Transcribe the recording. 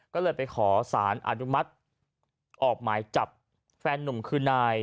ก็เลยไปขอสารอนุมัติออกหมายจับแฟนนุ่มคือนาย